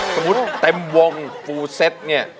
สมมุติเต็มวงฟูเซตเนี่ย